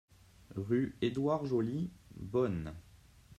Rue Edouard Joly, Beaune